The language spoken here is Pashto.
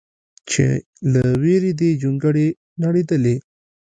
چې له ویرې دې جونګړې نړېدلې